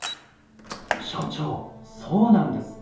所長そうなんです！